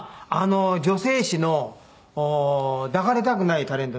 女性誌の抱かれたくないタレント